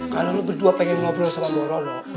kalo lu berdua pengen ngobrol sama borono